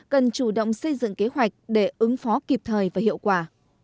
cần chủ động xây dựng kế hoạch để ứng phó kịp thời và hiệu quả